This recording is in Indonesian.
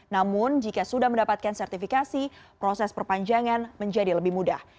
namun jika sudah mendapatkan sertifikasi proses perpanjangan menjadi lebih mudah